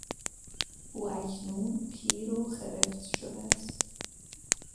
او اکنون پیرو خرفت شده است.